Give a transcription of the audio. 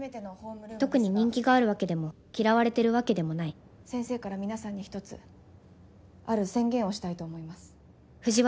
特に人気があるわけでも嫌われてるわけでもない先生から皆さんに一つある宣言をしたいと思います。